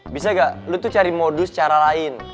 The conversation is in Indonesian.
bisa gak lu tuh cari modus cara lain